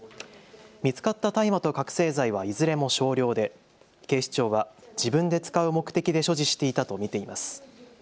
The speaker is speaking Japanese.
見つかった大麻と覚醒剤はいずれも少量で警視庁は自分で使う目的で所持していたと見ています。